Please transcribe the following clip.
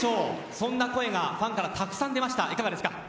そんな声がファンからたくさん出ました。